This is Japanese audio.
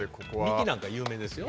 右なんか有名ですよ。